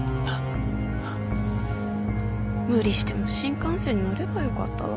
無理しても新幹線に乗ればよかったわ。